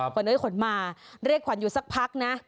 เอ้ยขวัญมาเรียกขวัญอยู่สักพักนะ